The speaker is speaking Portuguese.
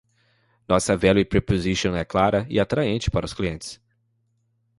Nossa value proposition é clara e atraente para os clientes.